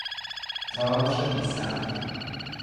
تئاتر بی سقف